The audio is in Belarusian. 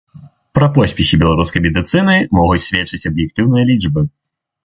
Пра поспехі беларускай медыцыны могуць сведчыць аб'ектыўныя лічбы.